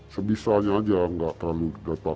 sebisanya aja nggak terlalu datang